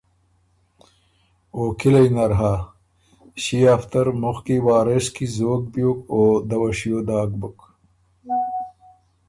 او کِلئ نر هۀ، ݭيې هفتۀ مُخکی ر وارث کی زوک بیوک او دۀ وه شیو بُک